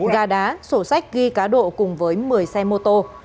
gà đá sổ sách ghi cá độ cùng với một mươi xe mô tô